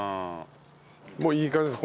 もういい感じです。